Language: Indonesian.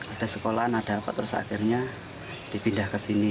ada sekolahan ada apa terus akhirnya dipindah ke sini